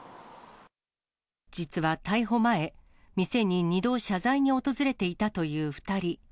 実は逮捕前、店に２度、謝罪に訪れていたという２人。